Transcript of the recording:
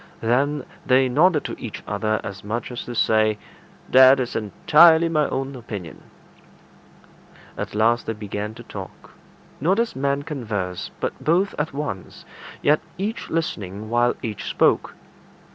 Then they nodded to each other as much as to say, "That is entirely my own opinion." At last they began to talk; not as men converse, but both at once, yet each listening while each spoke.